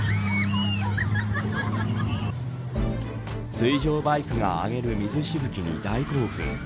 水上バイクが上げる水しぶきに大興奮。